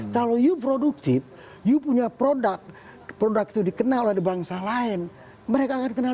kalau you produktive you punya produk produk itu dikenal oleh bangsa lain mereka akan kenal